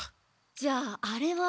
じゃああれは。